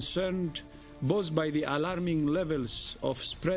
sama dengan nilai alami yang berkembang dan keras